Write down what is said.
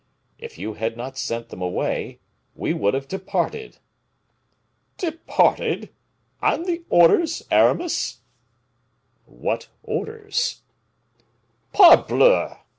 If you had not sent them away, we would have departed." "'Departed!' And the orders, Aramis?" "What orders?" "_Parbleu!